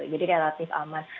jadi relatif aman